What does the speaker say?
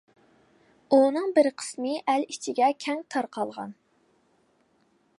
ئۇنىڭ بىر قىسنى ئەل ئىچىگە كەڭ تارقالغان.